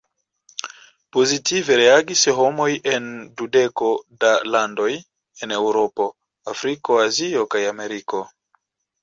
Pozitive reagis homoj en dudeko da landoj en Eŭropo, Afriko, Azio kaj Ameriko.